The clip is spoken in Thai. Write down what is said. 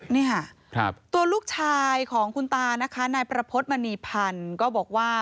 นี่ค่ะตัวลูกชายของคุณตานะคะนายประพฤติมณีพันธ์ก็บอกว่า